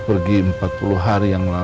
bukan cuma bu agung yang mess